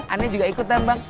anak juga ikutan bang